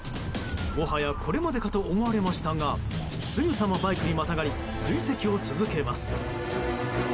もはや、これまでかと思われましたがすぐさまバイクにまたがり追跡を続けます。